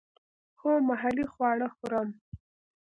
هو، محلی خواړه خورم